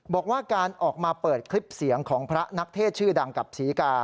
บอกว่าการออกมาเปิดคลิปเสียงของพระนักเทศชื่อดังกับศรีกา